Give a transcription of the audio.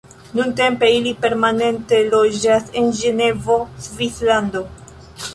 Nuntempe ili permanente loĝas en Ĝenevo, Svislando.